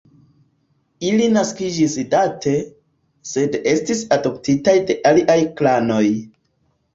Ili naskiĝis Date, sed estis adoptitaj de aliaj klanoj.